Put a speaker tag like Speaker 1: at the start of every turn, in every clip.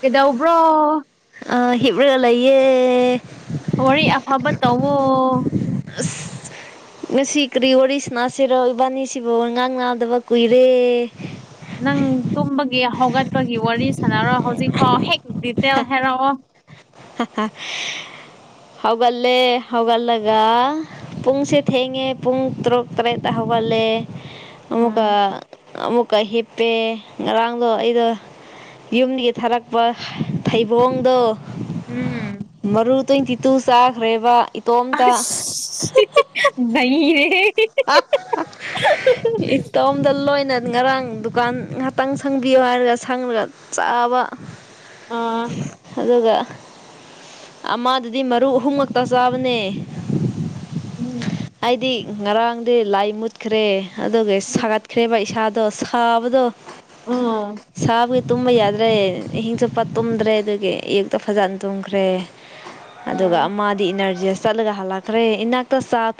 Speaker 1: ꯀꯗꯧꯕ꯭ꯔꯣ
Speaker 2: ꯍꯤꯞ꯭ꯔꯥ ꯂꯩꯌꯦ
Speaker 1: ꯇꯎꯣ
Speaker 2: ꯑ ꯉꯁꯤ ꯀꯔꯤ ꯋꯥꯔꯤꯁꯤꯅꯥꯁꯤꯔꯣ ꯏꯕꯥꯅꯤꯁꯤꯕꯨ ꯉꯥꯡ ꯅꯥꯗꯕ ꯀꯨꯏꯔꯦ
Speaker 1: ꯅꯪ ꯇꯨꯝꯕꯒꯤ ꯍꯧꯒꯠꯄꯒꯤ ꯋꯥꯔꯤ ꯁꯥꯟꯅꯔꯣꯏ ꯍꯧꯖꯤꯛ ꯐꯥꯎ ꯍꯦꯛ ꯗꯇ ꯍꯦꯔꯑꯣꯣ
Speaker 2: ꯍꯧꯒꯠꯂꯦ ꯍꯧꯒꯠꯂꯒ ꯄꯨꯡꯁꯦ ꯊꯦꯡꯉꯦ ꯄꯨꯡ ꯇꯔꯨꯛ ꯇꯔꯦꯠꯇ ꯍꯧꯒꯠꯂꯦ ꯑꯃꯨꯛꯀ
Speaker 1: ꯎꯝ
Speaker 2: ꯑꯃꯛ ꯀ ꯍꯤꯞꯄꯦ ꯉꯔꯥꯡꯗꯣ ꯑꯩꯗꯣ ꯌꯨꯝꯗꯒꯤ ꯊꯥꯔꯛꯄ ꯐꯩꯕꯣꯡꯗꯣ
Speaker 1: ꯎꯝ
Speaker 2: ꯇ꯭ꯋꯦꯟꯇꯤ ꯇꯨ ꯆꯥꯈ꯭ꯔꯦꯕ ꯏꯇꯣꯝꯇ
Speaker 1: ꯑꯁ ꯅꯩꯔꯦꯍꯦ
Speaker 2: ꯏꯇꯣꯝꯗ ꯂꯣꯏꯅ ꯉꯔꯥꯡ ꯗꯨꯀꯥꯟ ꯉꯍꯥꯛꯇꯪ ꯁꯪꯕꯤꯌꯣ ꯍꯥꯏꯔꯒ ꯁꯪꯉꯒ ꯆꯥꯕ
Speaker 1: ꯑꯥ
Speaker 2: ꯑꯗꯨꯗꯒ ꯑꯃꯥꯗꯗꯤ ꯃꯔꯨ ꯑꯍꯨꯝꯃꯛꯇ ꯆꯥꯕꯅꯦ
Speaker 1: ꯎꯝ
Speaker 2: ꯑꯩꯗꯤ ꯉꯔꯥꯡꯗꯤ ꯂꯥꯏ ꯃꯨꯠꯈ꯭ꯔꯦ ꯑꯗꯨꯒ
Speaker 1: ꯎꯝ
Speaker 2: ꯁꯥꯒꯠꯈ꯭ꯔꯦꯕ ꯏꯁꯥꯗ ꯇꯣ ꯁꯥꯥꯕꯗꯣ
Speaker 1: ꯑ
Speaker 2: ꯇꯨꯝꯕ ꯌꯥꯗ꯭ꯔꯦ ꯏꯍꯤꯡ ꯆꯨꯞꯄ ꯇꯨꯝꯗ꯭ꯔꯦ ꯑꯗꯨꯒꯤ ꯑꯦꯛꯇ ꯐꯖꯅ ꯇꯨꯝꯈ꯭ꯔꯦ ꯑꯗꯨꯒ ꯑꯃꯗꯤ ꯏꯅꯔꯖꯤꯁ ꯆꯠꯂꯒ ꯍꯜꯂꯛꯈ꯭ꯔꯦ ꯏꯅꯥꯛꯇ ꯆꯥ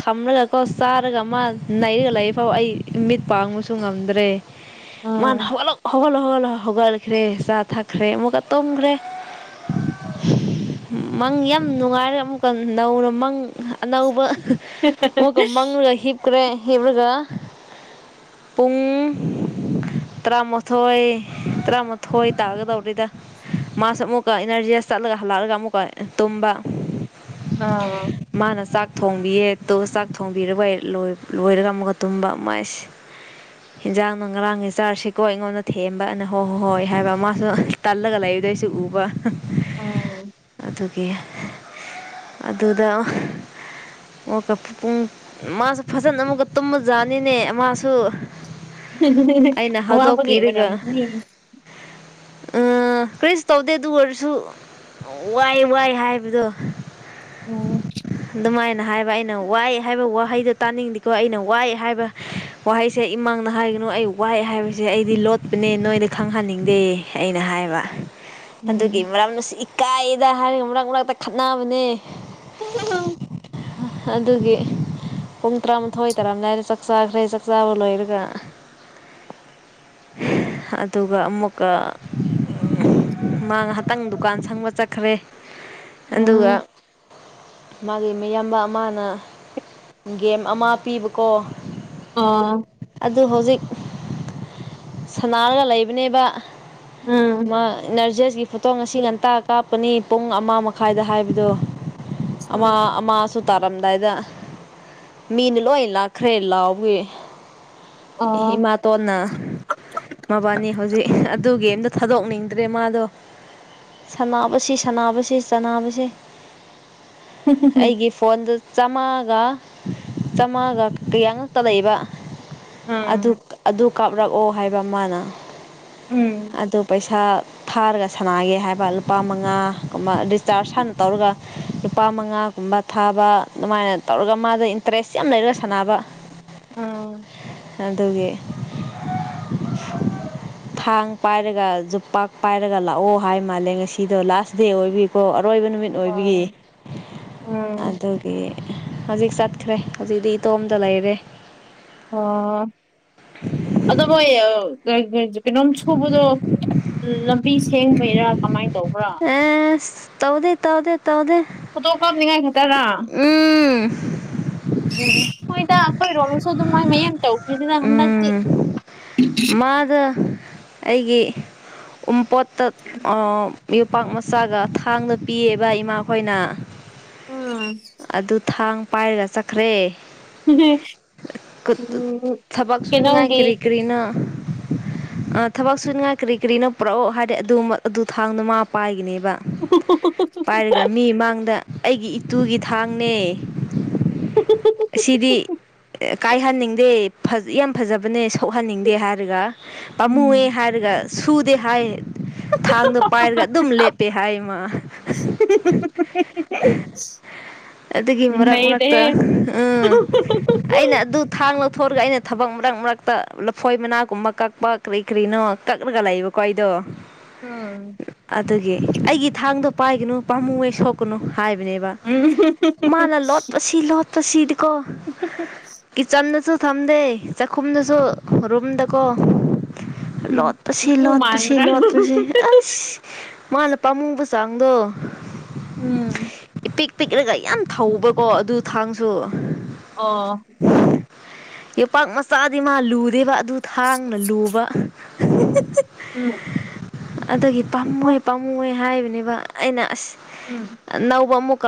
Speaker 2: ꯊꯝꯂꯒꯀꯣ ꯆꯥꯔꯒ ꯃꯥ ꯅꯩꯔꯒ ꯂꯩꯔꯤ ꯐꯥꯎ ꯑꯩ ꯃꯤꯠ ꯄꯥꯡꯕꯁꯨ ꯉꯝꯗ꯭ꯔꯦ ꯃꯥꯥꯟ
Speaker 1: ꯎꯝ
Speaker 2: ꯍꯕ ꯂ ꯍꯕ ꯂꯣ ꯍꯧ ꯍꯧꯒꯠꯈ꯭ꯔꯦ ꯆꯥ ꯊꯛꯈ꯭ꯔꯦ ꯑꯃꯨꯛꯀ ꯇꯨꯝꯈ꯭ꯔꯦ ꯃꯪ ꯌꯥꯝ ꯅꯨꯡꯉꯥꯏꯔꯦ ꯑꯃꯨꯛꯀ ꯅꯧꯅ ꯃꯪ ꯑꯅꯧꯕ ꯃꯀ ꯃꯥꯡꯂꯒ ꯍꯤꯞꯈ꯭ꯔꯦ ꯍꯤꯞꯂꯒ ꯄꯨꯡ ꯇꯔꯥꯃꯥꯊꯣꯏ ꯇꯔꯥꯃꯥꯊꯣꯏ ꯇꯥꯒꯗꯧꯔꯤꯗ ꯃꯥꯁ ꯑꯃꯨꯛꯀ ꯏꯅꯔꯖꯤꯁ ꯆꯠꯂꯒ ꯍꯜꯂꯛꯂꯒ ꯑꯃꯨꯛꯀ ꯇꯨꯝꯕ
Speaker 1: ꯑꯥ
Speaker 2: ꯃꯥꯅ ꯆꯥꯛ ꯊꯣꯡꯕꯤꯌꯦ ꯇꯨ ꯆꯥꯛ ꯊꯣꯡꯕꯤꯒ ꯂꯣꯏꯔꯒ ꯑꯃꯨꯒ ꯇꯨꯝꯕ ꯑꯃꯥꯏꯁꯦ ꯌꯦꯟꯖꯥꯡ ꯅꯨꯡ ꯉꯔꯥꯡꯁꯤ ꯆꯥꯔꯁꯤꯀꯣ ꯑꯩꯉꯣꯟꯗ ꯊꯦꯝꯕꯅ ꯍꯣꯏ ꯍꯣꯏ ꯍꯣꯏ ꯍꯥꯏꯕ ꯃꯥꯁꯨ ꯇꯜꯂꯒ ꯂꯩ ꯑꯗꯨꯗꯩꯁꯨ ꯎꯕ
Speaker 1: ꯑꯥ
Speaker 2: ꯑꯗꯨꯒꯤ ꯑꯗꯨꯗ ꯄꯨꯡ ꯃꯥꯁꯨ ꯐꯖꯅ ꯑꯃꯨꯛꯀ ꯇꯨꯝꯕꯖꯥꯠꯅꯤꯅꯦ ꯃꯥꯁꯨ ꯑꯩꯅ
Speaker 1: ꯋꯥꯕꯒꯦ ꯑꯣꯏꯔꯝ
Speaker 2: ꯎ ꯀꯔꯤꯁꯨ ꯇꯧꯗꯦ ꯑꯗꯨ ꯑꯣꯏꯔꯁꯨ ꯋꯥꯏ ꯋꯥꯏ ꯍꯥꯏꯕꯗꯣ
Speaker 1: ꯎꯝ
Speaker 2: ꯩꯅ ꯍꯥꯏꯕ ꯑꯩꯅ ꯋꯥꯏꯑ ꯍꯥꯏꯕ ꯋꯥꯍꯩꯗꯣ ꯇꯥꯅꯤꯡꯗꯀꯣ ꯑꯩꯅ ꯋꯥꯏꯑ ꯍꯥꯏꯕ ꯋꯥꯍꯩꯁꯦ ꯏꯃꯥꯡꯅ ꯍꯥꯏꯒ ꯀꯩꯅꯣ ꯑꯩ ꯋꯥꯏꯑꯦ ꯍꯥꯏꯕꯁꯦ ꯑꯩꯗꯤ ꯂꯣꯠꯄꯅꯦ ꯅꯣꯏꯗ ꯈꯪꯍꯟꯅꯤꯡꯗꯦ ꯑꯩꯅ ꯍꯥꯏꯕ ꯑꯗꯨꯒꯤ
Speaker 1: ꯎꯝ
Speaker 2: ꯃꯔꯛꯁꯤ ꯏꯀꯥꯏꯗ ꯍꯥꯏꯔꯒ ꯃꯔꯛ ꯃꯔꯛꯇ ꯈꯠꯅꯕꯅꯦ
Speaker 1: ꯎ
Speaker 2: ꯑꯗꯨꯒꯤ ꯄꯨꯝ ꯇꯔꯥꯃꯥꯊꯣꯏ ꯇꯥꯔꯥꯝꯗꯥꯏꯗ ꯆꯥꯛ ꯆꯥꯈ꯭ꯔꯦ ꯆꯥꯛꯆꯥꯥꯕ ꯂꯣꯏꯔꯒ ꯑꯗꯨꯒ ꯑꯃꯨꯛꯀ ꯃꯥ ꯉꯥꯏꯍꯥꯛꯇꯪ ꯗꯨꯀꯥꯟ ꯁꯪꯕ ꯆꯠꯈ꯭ꯔꯦ ꯑꯗꯨꯒ
Speaker 1: ꯎꯝ
Speaker 2: ꯃꯥꯒꯤ ꯌꯥꯝꯕ ꯑꯃꯅ ꯒꯦꯝ ꯑꯃ ꯄꯤꯕꯀꯣ
Speaker 1: ꯑꯥ
Speaker 2: ꯑꯗꯨ ꯍꯧꯖꯤꯛ ꯁꯅꯥꯔꯒ ꯂꯩꯕꯅꯦꯕ
Speaker 1: ꯎꯝ
Speaker 2: ꯃꯥ ꯅꯔꯖ ꯑꯁꯤꯒꯤ ꯐꯣꯇꯣ ꯉꯁꯤ ꯉꯟꯇ ꯀꯥꯞꯄꯅꯤ ꯄꯨꯡ ꯑꯃ ꯃꯈꯥꯏꯗ ꯍꯥꯏꯕꯗꯨꯣ
Speaker 1: ꯑ
Speaker 2: ꯃꯥꯁꯨ ꯇꯥꯔꯝꯗꯥꯏꯗ ꯃꯤꯅ ꯂꯣꯏ ꯂꯥꯛꯈ꯭ꯔꯦ ꯂꯥꯎꯋ
Speaker 1: ꯑꯣ
Speaker 2: ꯏꯃꯥꯇꯣꯟꯅ ꯃꯕꯥꯅꯤ ꯍꯧꯖꯤꯛ ꯑꯗꯨꯒꯤ ꯑꯝꯗ ꯊꯥꯗꯣꯛꯅꯤꯡꯗ꯭ꯔꯦ ꯃꯥꯗꯣ ꯁꯕꯁꯤ ꯁꯅꯕꯕꯁꯤ ꯆꯕꯁꯤ ꯑꯩꯒꯤ ꯐꯣꯟꯗ ꯆꯥꯝꯃꯉꯥꯒ ꯆꯥꯝꯃꯉꯥꯒ ꯀꯌꯥꯉꯛꯇ ꯂꯩꯕ ꯑꯗꯨ
Speaker 1: ꯎꯝ
Speaker 2: ꯑꯗꯨ ꯀꯥꯞꯂꯛꯑꯣ ꯍꯥꯏꯕ ꯃꯥꯅ
Speaker 1: ꯎꯝ
Speaker 2: ꯑꯗꯨ ꯄꯩꯁꯥ ꯊꯥꯔꯒ ꯁꯥꯟꯅꯒꯦ ꯍꯥꯏꯕ ꯂꯨꯄꯥ ꯃꯉꯥꯒꯕ ꯆꯥꯔ ꯁꯅ ꯇꯧꯔꯒ ꯂꯨꯄꯥ ꯃꯉꯥ ꯁꯨꯝꯕ ꯊꯥꯕ ꯑꯗꯨꯃꯥꯏꯅ ꯇꯧꯔꯒ ꯃꯥꯗ ꯏꯟꯇꯔꯦꯁ ꯌꯥꯝ ꯂꯩꯔ
Speaker 1: ꯎꯝ
Speaker 2: ꯑꯗꯨꯒꯤ ꯊꯥꯡ ꯄꯥꯏꯔꯒ ꯌꯖꯣꯄꯥꯛ ꯄꯥꯏꯔꯒ ꯂꯥꯛꯑꯣ ꯍꯥꯏ ꯃꯥꯜꯂꯦ ꯉꯁꯤꯗꯣ ꯂꯥꯁ ꯗꯦ ꯑꯣꯏꯕꯤꯀꯣ ꯑꯔꯣꯏꯕ ꯅꯨꯃꯤꯠ ꯑꯣꯏꯕꯤꯒꯤ
Speaker 1: ꯑꯣ ꯎꯝ
Speaker 2: ꯑꯗꯨꯒꯤ ꯍꯧꯖꯤꯛ ꯆꯠꯈ꯭ꯔꯦ ꯍꯧꯖꯤꯛꯇꯤ ꯏꯇꯣꯝꯇ ꯂꯩꯔꯦ
Speaker 1: ꯑꯣ ꯑꯗ ꯃꯣꯏ ꯀꯩꯅꯣꯝ ꯁꯨꯕꯗꯣ ꯂꯝꯕꯤ ꯁꯦꯡꯕꯩꯔꯥ ꯀꯃꯥꯏꯅ ꯇꯧꯕ꯭ꯔꯥ
Speaker 2: ꯑꯦ ꯇꯧꯗꯦ ꯇꯧꯗꯦ ꯇ ꯑꯣꯗ
Speaker 1: ꯐꯣꯇꯣ ꯀꯥꯞꯅꯤꯡꯉꯥꯏ
Speaker 2: ꯎꯝ
Speaker 1: ꯍꯣꯏ ꯏꯗꯈꯣꯏ ꯔꯣꯝꯁꯗ ꯃ ꯃ ꯑ ꯇꯧ ꯑꯩꯗ ꯍꯦ
Speaker 2: ꯎꯝ ꯃꯥꯗ ꯑꯩꯒꯤ ꯎꯝꯄꯣꯠꯇ ꯌꯣꯄꯥꯛ ꯃꯆꯥꯒ ꯊꯥꯡꯗ ꯄꯤꯌꯦꯕ ꯏꯃꯥꯈꯣꯏꯅ
Speaker 1: ꯎꯝ
Speaker 2: ꯑꯗꯨ ꯊꯥꯡ ꯄꯥꯏꯔꯒ ꯆꯠꯈ꯭ꯔꯦ
Speaker 1: ꯝ ꯎ
Speaker 2: ꯊꯄꯛꯁꯨꯅ ꯉꯥꯏ ꯀꯔꯤ ꯀꯔꯤꯅ ꯑ ꯊꯕꯛ ꯁꯨꯅꯤꯡꯉꯥꯏ ꯀꯔꯤ ꯀꯔꯤꯅꯣ ꯄꯨꯔꯛꯑꯣ ꯍꯥꯏꯗꯤ ꯑꯗꯨ ꯑꯗꯨ ꯊꯥꯡꯗꯨꯃꯥ ꯄꯥꯏꯒꯤꯅꯦꯕ ꯄꯥꯏꯔꯒ ꯃꯤ ꯃꯥꯡꯗ ꯑꯩꯒꯤ ꯏꯇꯨꯒꯤ ꯊꯥꯡꯅꯦ ꯁꯤꯗꯤ ꯀꯥꯏꯍꯟꯅꯤꯡꯗꯦ ꯌꯥꯝ ꯐꯖꯕꯅꯦ ꯊꯣꯛꯍꯟꯅꯤꯡꯗꯦ ꯍꯥꯏꯔꯒ ꯄꯥꯝꯃꯨꯑꯦ
Speaker 1: ꯎꯝ
Speaker 2: ꯍꯥꯏꯔꯒ ꯁꯨꯗꯦ ꯍꯥꯏ ꯊꯥꯡꯗ ꯄꯥꯏꯔꯒ ꯑꯗꯨꯝ ꯂꯦꯞꯄꯦ ꯍꯥꯏꯃ [inaudible] [inaudible] ꯑꯗꯨꯒꯤ ꯃꯔꯛ ꯃꯔꯛꯇ
Speaker 1: ꯅꯩꯔꯦꯍꯦ
Speaker 2: ꯎꯝ ꯑꯩꯅ ꯑꯗꯨ ꯊꯥꯡ ꯆꯊꯣꯔꯒ ꯑꯩꯅ ꯊꯕꯛ ꯃꯔꯛ ꯃꯔꯛꯇ ꯂꯐꯣꯏ ꯃꯅꯥꯒꯨꯝꯕ ꯀꯛꯄ ꯀꯔꯤ ꯀꯔꯤꯅꯣ ꯀꯛꯂꯒ ꯂꯩꯕꯀꯣ ꯑꯩꯗꯣ
Speaker 1: ꯎꯝ
Speaker 2: ꯑꯗꯨꯗꯒꯤ ꯑꯩꯒꯤ ꯊꯥꯡꯗꯣ ꯄꯥꯏꯒꯅꯨ ꯄꯥꯝꯃꯨꯉꯦ ꯁꯣꯛꯀꯅꯨ ꯍꯥꯏꯕꯅꯦꯕ ꯃꯥꯅ ꯂꯣꯠꯄꯁꯤ ꯂꯣꯠ ꯁꯤꯤꯠꯀꯣ ꯀ ꯆꯅ ꯊꯝꯗꯦ ꯆꯥꯛꯈꯨꯝꯗꯁꯨ ꯔꯨꯝꯗꯀꯣ ꯂꯠ
Speaker 1: ꯎꯝ
Speaker 2: ꯄꯁꯤ
Speaker 1: ꯏꯄꯨ
Speaker 2: ꯂꯠ ꯄꯁꯤ
Speaker 1: ꯃꯥꯟꯕ꯭ꯔꯥ
Speaker 2: ꯂꯠ ꯄꯁꯤ ꯑꯁ ꯃꯥꯅ ꯄꯥꯝꯃꯨꯕ ꯆꯥꯡꯗꯣ
Speaker 1: ꯎꯝ
Speaker 2: ꯄꯤꯛ ꯄꯤꯛꯂꯒ ꯌꯥꯝ ꯊꯧꯕꯀꯣ ꯑꯗꯨ ꯊꯥꯡꯁꯨ
Speaker 1: ꯑꯥ
Speaker 2: ꯌꯣꯄꯥꯛ ꯃꯆꯥꯗꯤ ꯃꯥ ꯂꯨꯗꯦꯕ ꯑꯗꯨ ꯊꯥꯡꯅ ꯂꯨꯕ
Speaker 1: ꯎꯝ
Speaker 2: ꯑꯗꯨꯗꯒꯤ ꯄꯥꯝꯃꯨꯦ
Speaker 1: ꯑꯣ
Speaker 2: ꯄꯥꯝꯃꯨꯦ ꯍꯥꯏꯔꯤꯕꯅꯦꯕ ꯑꯩꯅ ꯑꯁ
Speaker 1: ꯎꯝ
Speaker 2: ꯑꯅꯧꯕ ꯑꯃꯨꯛ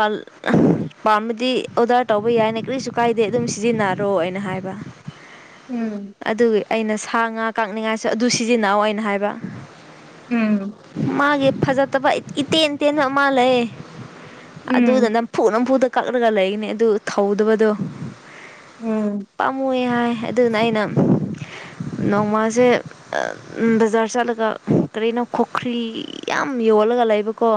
Speaker 2: ꯄꯥꯝꯝꯕꯗꯤ ꯑꯣꯔꯗꯔ ꯇꯧꯕ ꯌꯥꯏꯅꯦ ꯀꯔꯤꯁꯨ ꯀꯥꯏꯗꯦ ꯑꯗꯨꯝ ꯁꯤꯖꯤꯟꯅꯔꯣꯩꯅ ꯍꯥꯏꯕ
Speaker 1: ꯎꯝ
Speaker 2: ꯑꯗꯨꯒꯤ ꯑꯩꯅ ꯁꯥ ꯉꯥ ꯀꯥꯛꯅꯤꯡꯉꯥꯏꯁꯨ ꯑꯗꯨ ꯁꯤꯖꯤꯟꯅꯑꯣ ꯑꯩꯅ ꯍꯥꯏꯕ
Speaker 1: ꯎꯝ
Speaker 2: ꯐꯖꯠꯇꯕ ꯏꯇꯦꯟ ꯇꯦꯟꯕ ꯑꯃ ꯂꯩ ꯑꯗꯨꯗ
Speaker 1: ꯎꯝ
Speaker 2: ꯅꯝꯐꯨ ꯅꯝꯐꯨꯗ ꯀꯛꯂꯒ ꯂꯩꯅꯦ ꯑꯗꯨ ꯊꯧꯗꯕꯗꯣ
Speaker 1: ꯎꯝ
Speaker 2: ꯄꯥꯝꯃꯨ ꯍꯥꯏ ꯑꯗꯨꯅ ꯑꯩꯅ ꯅꯣꯡꯃꯁꯦ ꯕꯖꯥꯔ ꯆꯠꯂꯒ ꯀꯔꯤꯅꯣ ꯈꯨꯈ꯭ꯔꯤ ꯌꯥꯝ ꯌꯣꯜꯂꯒ ꯂꯩꯕꯀꯣ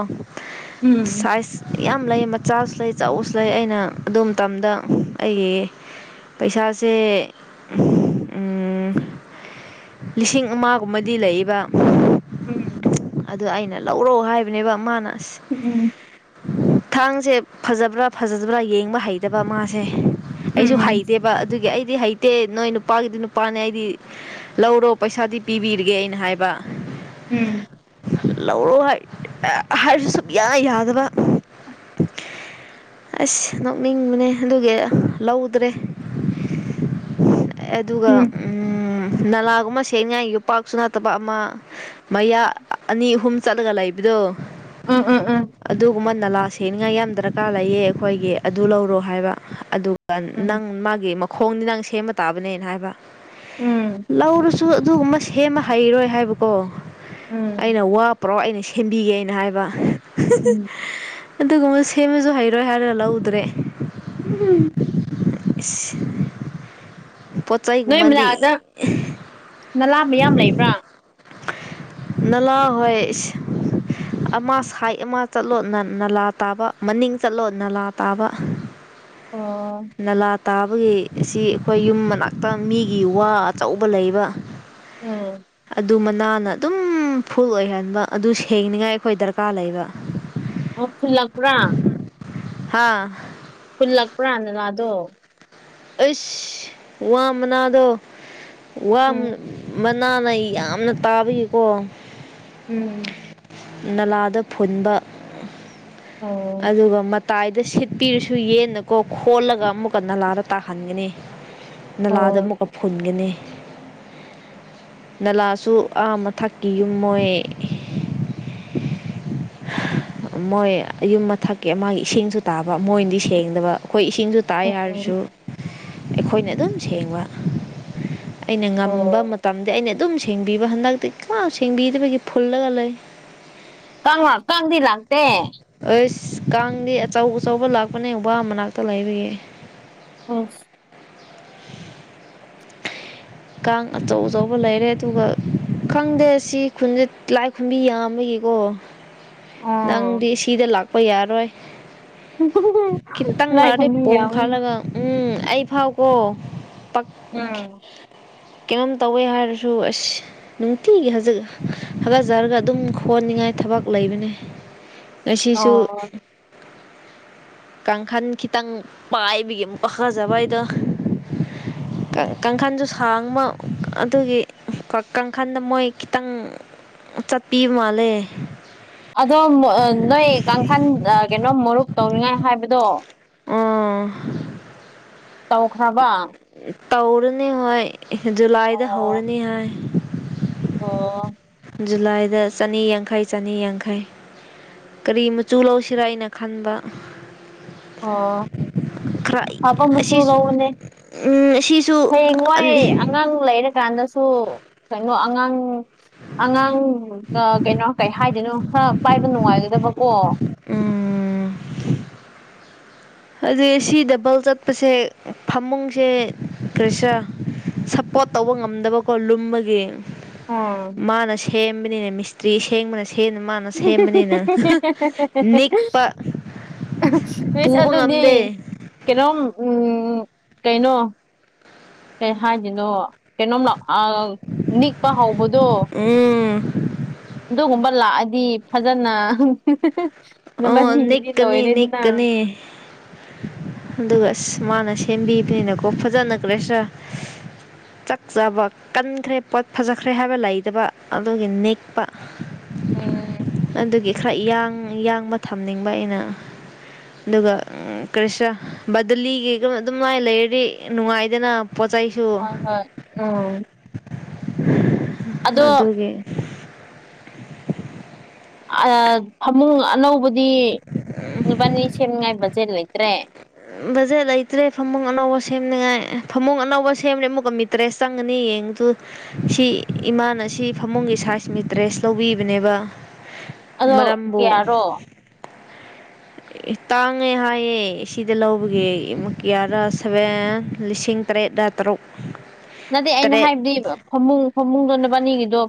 Speaker 1: ꯎꯝ ꯎꯝ
Speaker 2: ꯁꯥꯏꯖ ꯌꯥꯝ ꯂꯩ ꯃꯆꯥꯁꯨ ꯂꯩ ꯆꯥꯎꯁꯨ ꯂꯩ ꯑꯩꯅ ꯑꯗꯨ ꯃꯇꯝꯗ ꯑꯩꯒꯤ ꯄꯩꯁꯥꯁꯦ ꯂꯤꯁꯤꯡ ꯑꯃꯒꯨꯝꯕꯗꯤ ꯂꯩꯕ
Speaker 1: ꯎꯝ
Speaker 2: ꯑꯗ ꯑꯩꯅ ꯂꯧꯔꯛ ꯍꯥꯏꯕꯅꯦꯕ ꯃꯥꯅ ꯑꯁ
Speaker 1: ꯎꯝ
Speaker 2: ꯊꯥꯡꯁꯦ ꯐꯖꯕ꯭ꯔꯥ ꯐꯖꯕ꯭ꯔꯥ ꯌꯦꯡꯕ ꯍꯩꯇꯕ ꯃꯥꯁꯦ ꯑꯩꯁꯨ
Speaker 1: ꯎꯝ
Speaker 2: ꯍꯩꯇꯦꯕ ꯑꯗꯨꯒꯤ ꯑꯩꯗꯤ ꯍꯩꯇꯦ ꯅꯣꯏ ꯅꯨꯄꯥꯒꯤꯗꯤ ꯅꯨꯄꯥꯅꯦ ꯑꯩꯗꯤ ꯂꯧꯔꯣ ꯄꯩꯁꯥꯗꯤ ꯄꯤꯕꯤꯔꯒꯦ ꯑꯩꯅ ꯍꯥꯏꯕ
Speaker 1: ꯎꯝ
Speaker 2: ꯂꯧꯔꯣ ꯍꯥꯏ ꯍꯥꯏꯔꯁꯨ ꯁꯨꯝ ꯌꯥꯏ ꯌꯥꯗꯕ ꯑꯁ ꯅꯣꯛꯅꯤꯡꯕꯅꯦ ꯑꯗꯨꯒꯤ ꯂꯧꯗ꯭ꯔꯦ ꯑꯗꯨꯒ
Speaker 1: ꯎꯝ
Speaker 2: ꯅꯂꯥꯒꯨꯝꯕ ꯁꯦꯡꯉꯥꯏ ꯌꯣꯄꯥꯛꯁꯨ ꯅꯅꯥꯠꯇꯕ ꯑꯃ ꯃꯌꯥ ꯑꯅꯤ ꯑꯍꯨꯝ ꯆꯠꯂꯒ ꯂꯩꯕꯗꯣ
Speaker 1: ꯎꯝ ꯎꯝ ꯎꯝ
Speaker 2: ꯑꯗꯨꯒꯨꯝꯕ ꯅꯂꯥ ꯁꯦꯠꯅꯤꯡꯉꯥꯏ ꯌꯥꯝ ꯗꯔꯀꯥꯔ ꯂꯩꯌꯦ ꯑꯩꯈꯣꯏꯒꯤ ꯑꯗꯨ ꯂꯧꯔꯣ ꯍꯥꯏꯕ ꯑꯗꯨꯒ
Speaker 1: ꯎꯝ
Speaker 2: ꯅꯪ ꯃꯥꯒꯤ ꯃꯈꯣꯡꯗꯤ ꯅꯪ ꯁꯦꯝꯕ ꯇꯥꯕꯅꯦꯅ ꯍꯥꯏꯕ
Speaker 1: ꯎꯝ
Speaker 2: ꯂꯧꯔꯨ ꯨ ꯑꯗꯨꯒꯨꯝꯕ ꯁꯦꯝꯃ ꯍꯩꯔꯣꯏ ꯍꯥꯏꯕꯀꯣ
Speaker 1: ꯎꯝ
Speaker 2: ꯑꯩꯅ ꯋꯥꯄ ꯄꯨꯔꯥꯎ ꯑꯩꯅ ꯁꯦꯝꯕꯤꯒꯦꯅ ꯍꯥꯏꯕ ꯑꯗꯨꯒꯨꯝꯕ ꯁꯦꯝꯃꯁꯨ ꯍꯩꯔꯣꯏ ꯍꯥꯏꯔꯒ ꯂꯧꯗ꯭ꯔꯦ
Speaker 1: ꯎꯝ
Speaker 2: [unintelligible] ꯄꯣꯠ
Speaker 1: ꯅꯣꯏ
Speaker 2: ꯆꯩꯒꯨꯝꯕꯗꯤ
Speaker 1: ꯃꯂꯛꯑꯗ ꯅꯂꯥ ꯃꯌꯥꯝ ꯂꯩꯕ꯭ꯔꯥ
Speaker 2: ꯅꯂꯥ ꯍꯣꯏ ꯑꯃ ꯁꯥꯏ ꯑꯃ ꯆꯠꯂꯣ ꯅꯂꯥ ꯇꯥꯕ ꯃꯅꯤꯡ ꯆꯠꯂꯣ ꯅꯂꯥ ꯇꯥꯕ
Speaker 1: ꯑꯣ
Speaker 2: ꯅꯂꯥ ꯇꯥꯕꯒꯤ ꯑꯁꯤ ꯑꯩꯈꯣꯏ ꯌꯨꯝ ꯃꯅꯥꯛꯇ ꯃꯤꯒꯤ ꯋꯥ ꯑꯆꯧꯕ ꯂꯩꯕ
Speaker 1: ꯎꯝ
Speaker 2: ꯑꯗꯨ ꯑꯗꯨ ꯃꯅꯥꯟꯅ ꯑꯗꯨꯝ ꯐꯨꯜ ꯑꯣꯏꯍꯟꯕ ꯑꯗꯨ ꯁꯦꯡꯅꯤꯉꯥꯏ ꯑꯩꯈꯣꯏ ꯗꯔꯀꯥꯔ ꯂꯩꯕ
Speaker 1: ꯑꯣ ꯐꯨꯜꯂꯛꯄ꯭ꯔꯥ
Speaker 2: ꯍꯥꯥ
Speaker 1: ꯍꯨꯜꯂꯛꯄ꯭ꯔꯥ ꯅꯅꯥꯗꯣ
Speaker 2: ꯑꯦꯁ ꯋꯥ ꯃꯅꯥꯗꯣ ꯋꯥ
Speaker 1: ꯎꯝ
Speaker 2: ꯃꯅꯥ ꯅ ꯌꯥꯝꯅ ꯇꯥꯕꯒꯤꯀꯣ
Speaker 1: ꯎꯝ
Speaker 2: ꯅꯂꯥꯗ ꯐꯨꯟꯕ
Speaker 1: ꯑꯣ
Speaker 2: ꯑꯗꯨ ꯃ ꯇꯥꯏꯗ ꯁꯤꯠꯄꯤꯔꯁꯨ ꯌꯦꯟꯅꯀꯣ ꯈꯣꯜꯂꯒ ꯑꯃꯨꯛꯀ ꯅꯂꯥꯗ ꯇꯥꯍꯟꯒꯅꯤ ꯅꯂꯥꯗ
Speaker 1: ꯑꯣ
Speaker 2: ꯑꯃꯨꯛꯀ ꯐꯨꯟꯒꯅꯤ ꯅꯂꯥꯁꯨ ꯑꯥ ꯃꯊꯛꯀꯤ ꯌꯨꯝ ꯃꯣꯏ ꯃꯣꯏ ꯌꯌꯨꯝ ꯃꯊꯛꯀꯤ ꯃꯥꯒꯤ ꯏꯁꯤꯡꯁꯨ ꯇꯥꯕ ꯃꯣꯏꯅꯗꯤ ꯁꯦꯡꯗꯕ ꯑꯩꯈꯣꯏ ꯏꯁꯤꯡꯁꯨ ꯇꯥꯏ
Speaker 1: ꯑꯣ
Speaker 2: ꯍꯥꯏꯔꯁꯨ ꯑꯩꯈꯣꯏꯅ ꯑꯗꯨꯝ ꯁꯦꯡꯕ ꯑꯩꯅ ꯉꯝꯕ
Speaker 1: ꯑꯣ
Speaker 2: ꯃꯇꯝꯗ ꯑꯩꯅ ꯑꯗꯨꯝ ꯁꯦꯡꯕꯤꯕ ꯍꯟꯗꯛꯇꯤ ꯀꯥꯎ ꯁꯦꯡꯕꯤꯗꯕꯒꯤ ꯐꯨꯜꯂꯒ ꯂꯩ
Speaker 1: ꯀꯥꯡ ꯀꯥꯡꯗꯤ ꯂꯥꯛꯇꯦ
Speaker 2: ꯑꯩꯁ ꯀꯥꯡꯗꯤ ꯑꯆꯧ ꯑꯆꯧꯕ ꯂꯥꯛꯄꯅꯦ ꯋꯥ ꯃꯅꯥꯛꯇ ꯂꯩꯕꯒꯤ
Speaker 1: ꯑꯝ
Speaker 2: ꯀꯥꯡ ꯑꯆꯧ ꯑꯆꯧꯕ ꯂꯩꯔꯦ ꯑꯗꯨꯒ ꯈꯪꯗꯦ ꯁꯤ ꯈꯨꯟꯆꯠ ꯂꯥꯏ ꯈꯨꯨꯝꯕꯤ ꯌꯥꯝꯕꯒꯤꯀꯣ
Speaker 1: ꯑꯣ
Speaker 2: ꯅꯪꯗꯤ ꯁꯤꯗ ꯂꯥꯛꯄ ꯌꯥꯔꯣꯏ ꯈꯤꯇꯪ
Speaker 1: ꯂꯥꯏ
Speaker 2: ꯂꯥꯗꯦ
Speaker 1: ꯈꯨꯔꯨꯝꯕꯤ
Speaker 2: ꯄꯣꯝ
Speaker 1: ꯌꯥꯎꯋꯦ
Speaker 2: ꯈꯜꯂꯒ ꯎꯝ ꯑꯩ ꯐꯥꯎꯕꯣ
Speaker 1: ꯎꯝ
Speaker 2: ꯀꯩꯅꯣꯝ ꯇꯧꯋꯦ ꯍꯥꯏꯔꯁꯨ ꯑꯁ ꯅꯨꯡꯇꯤꯒꯤꯖꯤ ꯍꯥꯒꯠꯆꯔꯒ ꯑꯗꯨꯝ ꯈꯣꯠ ꯇꯅꯤꯡꯉꯥꯏ ꯊꯕꯛ ꯂꯩꯕꯅꯦ ꯉꯁꯤꯁꯨ
Speaker 1: ꯑꯣ
Speaker 2: ꯀꯥꯡꯈꯜ ꯈꯤꯇꯪ ꯄꯥꯏꯕꯒꯤ ꯑꯃꯨꯛ ꯄꯛ ꯐꯖꯕ ꯑꯩꯗꯣ ꯀꯥꯡꯈꯜꯁꯨ ꯁꯥꯡꯕ ꯑꯗꯨꯒꯤ ꯣꯏ ꯀꯥꯡꯈꯟꯗ ꯃꯣꯏ ꯈꯤꯇꯪ ꯆꯠꯄꯤ ꯃꯥꯜꯂꯦ
Speaker 1: ꯀꯩꯅꯣꯝ ꯃꯔꯨꯞ ꯇꯧꯅꯤꯡꯉꯥꯏ ꯍꯥꯏꯕꯗꯣ
Speaker 2: ꯑꯣ
Speaker 1: ꯇꯧꯈ꯭ꯔꯕ
Speaker 2: ꯇꯧꯔꯅꯤ ꯍꯣꯏ ꯖꯨꯂꯥꯏꯗ
Speaker 1: ꯑꯣ
Speaker 2: ꯍꯧꯔꯅꯤ ꯍꯥꯏ
Speaker 1: ꯑꯣ
Speaker 2: ꯖꯨꯂꯥꯏꯗ ꯆꯅꯤ ꯌꯥꯡꯈꯩ ꯆꯅꯤꯌꯥꯡꯈꯩ ꯀꯔꯤ ꯃꯆꯨ ꯂꯧꯁꯤꯔ ꯍꯥꯏꯅ ꯈꯟꯕ
Speaker 1: ꯑꯣ
Speaker 2: ꯈꯔ
Speaker 1: ꯐꯕ ꯃꯆ
Speaker 2: ꯑꯁꯤ
Speaker 1: ꯂꯎꯅꯦ
Speaker 2: ꯎꯝ ꯑꯁꯤꯁꯨ
Speaker 1: ꯍꯌꯦꯡꯋꯥꯏ ꯑꯉꯥꯡ ꯂꯩꯔꯀꯥꯟꯗ ꯁꯨ ꯀꯩꯅꯣ ꯑꯉꯥꯡ ꯑꯉꯥꯡ ꯀꯩꯅꯣ ꯀꯩ ꯍꯥꯏꯗꯣꯏꯅꯣ ꯈꯔ ꯄꯥꯏꯕ ꯅꯨꯡꯉꯥꯏꯒꯗꯕꯀꯣ
Speaker 2: ꯎꯝ ꯑꯗꯨ ꯁꯤ ꯗꯕꯜ ꯆꯠꯄꯁꯦ ꯐꯃꯨꯡꯁꯦ ꯀꯔꯤꯁꯔ ꯁꯞꯄꯣꯔꯠ ꯇꯧꯕ ꯉꯝꯗꯕꯀꯣ ꯂꯨꯝꯃꯒꯤ
Speaker 1: ꯎꯝ
Speaker 2: ꯃꯥꯅ ꯁꯦꯝꯕꯅꯤꯅꯦ ꯃꯤꯁꯇ꯭ꯔꯤ ꯁꯦꯝꯦꯡꯕꯅꯤ ꯁꯅ ꯃꯥꯅ ꯁꯦꯝꯕꯅꯤꯅ ꯅꯤꯛꯄ
Speaker 1: ꯄꯤꯁ
Speaker 2: ꯄꯨꯕ
Speaker 1: ꯑꯗꯨꯗꯤ
Speaker 2: ꯉꯝꯗꯦ
Speaker 1: ꯀꯩꯅꯣꯝ ꯎꯝ ꯀꯩꯅꯣ ꯀꯩ ꯍꯥꯏꯒꯅꯣ ꯀꯩꯅꯣꯝ ꯂ ꯑ ꯅꯤꯛꯄ ꯍꯧꯕꯗꯣ
Speaker 2: ꯎꯝ
Speaker 1: ꯑꯗꯨꯒꯨꯝꯕ ꯂꯥꯛꯑꯗꯤ ꯐꯖꯅ
Speaker 2: ꯑꯣ
Speaker 1: ꯅꯕꯥꯅꯤꯒꯤꯗꯤ
Speaker 2: ꯅꯤꯀꯅꯤ
Speaker 1: ꯂꯣꯏꯔꯦꯗꯅ
Speaker 2: ꯅꯤꯀꯅꯦ ꯍꯗꯁ ꯁꯨꯃꯅ ꯁꯦꯝꯕꯤꯕꯅꯤꯅꯀꯣ ꯐꯖꯅ ꯀ꯭ꯔꯦꯁꯔ ꯆꯥꯛ ꯆꯥꯕ ꯀꯟꯈ꯭ꯔꯦ ꯄꯣꯠ ꯐꯖꯈ꯭ꯔꯦ ꯍꯥꯏꯕ ꯂꯩꯇꯕ ꯑꯗꯨꯒꯤ ꯅꯦꯛꯄ
Speaker 1: ꯑꯣꯝ
Speaker 2: ꯈꯔꯡ ꯌꯥꯡꯕ ꯊꯝꯅꯤꯡꯕ ꯑꯩꯅ ꯑꯗꯨꯒ ꯀꯔꯤꯁꯅ ꯕꯗꯂꯤꯒꯤꯒ ꯑꯗꯨ ꯃꯥꯏꯅ ꯂꯩꯔꯤ ꯅꯨꯡꯉꯥꯏꯗꯅ ꯄꯣꯠ ꯆꯩꯁꯨ
Speaker 1: ꯍꯣꯏ ꯍꯣꯏ ꯎꯝ ꯑꯗꯣ
Speaker 2: ꯑꯗꯨꯒꯤ
Speaker 1: ꯐꯃꯨꯡ ꯑꯅꯧꯕꯗꯤ ꯂꯨꯄꯥꯅꯤ ꯁꯦꯝꯉꯥꯏꯕꯁ ꯁꯤꯦ ꯂꯩ ꯏꯇ꯭ꯔꯦ
Speaker 2: ꯕꯖꯦꯠ ꯂꯩꯇ꯭ꯔꯦ ꯐꯃꯨꯡ ꯑꯅꯧꯕ ꯁꯦꯝꯅꯤꯡꯉꯥꯏ ꯐꯃꯨꯡ ꯑꯅꯧꯕ ꯁꯦꯝꯂꯦ ꯑꯃꯨꯛꯀ ꯃꯤ ꯇꯔꯦꯁ ꯆꯪꯒꯅꯤ ꯌꯦꯡꯗꯨ ꯁꯤ ꯏꯃꯥꯅ ꯁꯤ ꯐꯃꯨꯡꯒꯤ ꯁꯥꯏꯖ ꯃꯤꯇ꯭ꯔꯦꯁ ꯂꯧꯕꯤꯕꯅꯦꯕ
Speaker 1: ꯑꯗꯣ
Speaker 2: ꯃꯔꯝꯕꯨ
Speaker 1: ꯀꯌꯥꯔꯣ
Speaker 2: ꯇꯥꯡꯉꯦ ꯍꯥꯏꯌꯦꯦ ꯁꯤꯗ ꯂꯧꯕꯒꯤꯦꯨ ꯀꯤꯌꯥꯔꯥ ꯁꯚꯦꯟ ꯂꯤꯁꯤꯡ ꯑꯇꯦ ꯗꯇ꯭ꯔꯨ
Speaker 1: ꯅꯗꯦ ꯑꯩꯅ ꯍꯥꯏꯕꯗꯤ ꯐꯃꯨꯡ ꯐꯃꯨꯡꯗꯣꯅ ꯄꯅꯤꯡꯉꯤꯗꯣ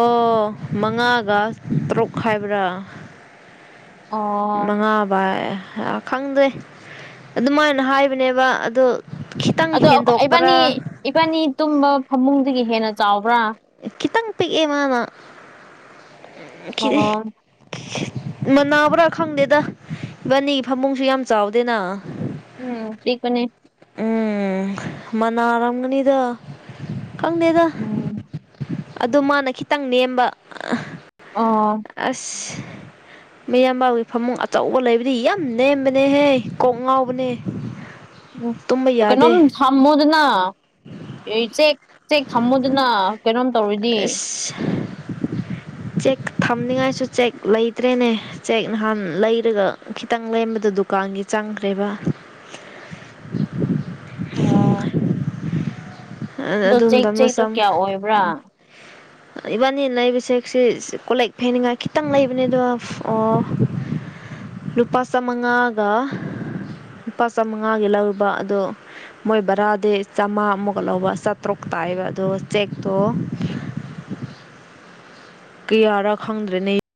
Speaker 2: ꯑꯣ ꯃꯉꯥꯒ ꯇꯔꯨꯛ ꯍꯥꯏꯥꯏꯕ꯭ꯔꯥ
Speaker 1: ꯑꯣ
Speaker 2: ꯃꯉꯥꯕꯏ ꯈꯪꯗꯦ ꯑꯗꯨꯃꯥꯏꯅ ꯍꯥꯏꯕꯅꯦꯕ ꯑꯗꯣ ꯈꯤꯇꯪ
Speaker 1: ꯑꯗꯣ ꯏꯕꯥꯅꯤ
Speaker 2: ꯍꯦꯟꯗꯣꯛꯄ꯭ꯔꯥ
Speaker 1: ꯏꯕꯥꯅꯤ ꯇꯨꯝꯕ ꯐꯃꯨꯡꯗꯒꯤ ꯍꯦꯟꯅ ꯆꯥꯎꯕ
Speaker 2: ꯈꯤꯇꯪ ꯄꯤꯛꯑꯦ ꯃꯥꯅꯈꯤ
Speaker 1: ꯑꯣ
Speaker 2: ꯃꯅꯥꯕ꯭ꯔꯥ ꯈꯪꯗꯦꯗ ꯏꯕꯥꯅꯤ ꯐꯃꯨꯡꯁꯨ ꯌꯥꯝ ꯆꯥꯎꯗꯦꯅ
Speaker 1: ꯎꯝ ꯄ ꯀꯅꯦ
Speaker 2: ꯎꯝ ꯃꯅꯥꯔꯝꯒꯅꯤꯗ ꯀꯪꯗꯦꯗ
Speaker 1: ꯎꯝ
Speaker 2: ꯑꯗ ꯃꯥꯅ ꯈꯤꯇꯪ ꯅꯦꯝꯕ
Speaker 1: ꯑꯣ
Speaker 2: ꯑꯁ ꯃꯌꯥꯝꯕꯥꯎꯒꯤ ꯐꯃꯨꯡ ꯑꯆꯧꯕ ꯂꯩꯕꯗꯤ ꯌꯥꯝ ꯅꯦꯝꯕꯅꯦꯍꯦ ꯀꯣꯛ ꯉꯥꯎꯕꯅꯦ ꯇꯨꯝꯕ
Speaker 1: ꯎ ꯀꯩꯅꯣꯝ
Speaker 2: ꯌꯥꯗꯦ
Speaker 1: ꯊꯝꯃꯨꯗꯅ ꯑꯩꯁꯦ ꯆꯦꯛ ꯊꯝꯃꯨꯗꯅ ꯀꯩꯅꯣꯝ ꯇꯧꯔꯤꯗꯤ
Speaker 2: ꯑꯁ ꯆꯦꯛ ꯊꯝꯅꯤꯡꯉꯥꯏꯁꯨ ꯆꯦꯛ ꯂꯩꯇ꯭ꯔꯦꯅꯦ ꯆꯦꯛ ꯅꯍꯥꯟ ꯂꯩꯔꯒ ꯈꯤꯇꯪ ꯂꯩꯔꯕꯗꯨ ꯗꯨꯀꯥꯟꯒꯤ ꯆꯪꯈ꯭ꯔꯦꯕ
Speaker 1: ꯑꯣ
Speaker 2: ꯑ
Speaker 1: ꯑꯗꯣ ꯆꯦꯛ
Speaker 2: ꯑꯗꯨꯝꯕꯅ
Speaker 1: ꯆꯦꯛꯇꯣ
Speaker 2: ꯆꯝ
Speaker 1: ꯀꯌꯥ ꯑꯣꯏꯕ꯭ꯔꯥ
Speaker 2: ꯏꯕꯥꯅꯤꯅ ꯂꯩꯕꯁꯦ ꯁꯤ ꯀꯣꯂꯦꯛ ꯐꯦꯅꯤꯡꯉꯥꯏ ꯈꯤꯇꯪ ꯂꯩꯕꯅꯦ ꯑꯗꯣ ꯑꯣ ꯂꯨꯄꯥ ꯆꯃꯉꯥꯒ ꯂꯨꯄꯥ ꯆꯃꯉꯥꯒꯤ ꯂꯧꯔꯨꯕ ꯑꯗꯣ ꯃꯣꯏ ꯕꯔꯥꯗꯤ ꯆꯥꯃꯥꯃꯨꯛ ꯂꯧꯕ ꯆꯥꯇꯔꯨꯛ ꯇꯥꯏꯕ ꯑꯗꯣ ꯆꯦꯛꯇꯣ ꯀꯌꯥꯔꯥ ꯈꯪꯗ꯭ꯔꯦꯅꯦ